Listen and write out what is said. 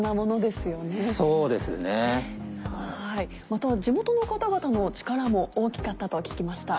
また地元の方々の力も大きかったと聞きました。